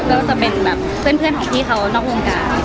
ก็จะเป็นแบบเพื่อนของพี่เขานอกวงการ